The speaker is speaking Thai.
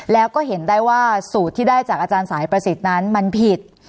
แล้วก็เห็นได้ว่าสูตรที่ได้จากอาจารย์สายประสิทธิ์นั้นมันผิด